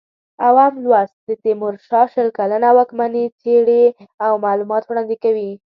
اووم لوست د تیمورشاه شل کلنه واکمني څېړي او معلومات وړاندې کوي.